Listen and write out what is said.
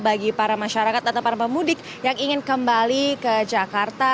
bagi para masyarakat atau para pemudik yang ingin kembali ke jakarta